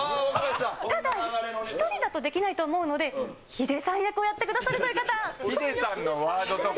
ただ、１人だとできないと思うので、ヒデさん役をやってくだヒデさんのワードとか。